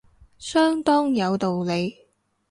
相當有道理